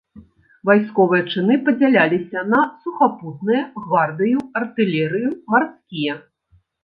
Вайсковыя чыны падзяляліся на сухапутныя, гвардыю, артылерыю, марскія.